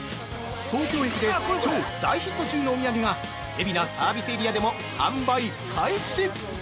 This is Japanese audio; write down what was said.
東京駅で超大ヒット中のお土産が海老名サービスエリアでも販売開始！